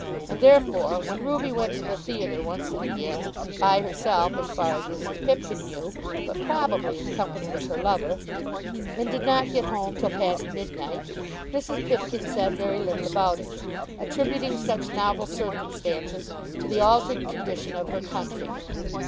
And therefore when Ruby went to the theatre once and again, by herself as far as Mrs. Pipkin knew, but probably in company with her lover, and did not get home till past midnight, Mrs. Pipkin said very little about it, attributing such novel circumstances to the altered condition of her country.